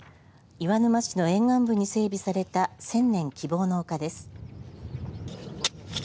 岩沼市の沿岸部に整備された千年希望の丘です。